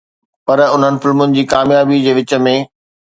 پر انهن فلمن جي ڪاميابي جي وچ ۾